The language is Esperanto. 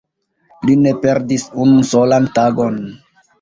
li ne perdis unu solan tagon!